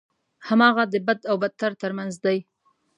هماغه د بد او بدتر ترمنځ دی.